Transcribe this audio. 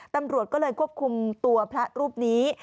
ตำรวจก็เลยควบคุมตัวพระรูปนี้